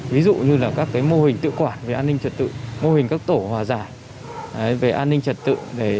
ví dụ như là các mô hình tự quản về an ninh trật tự mô hình các tổ hòa giải về an ninh trật tự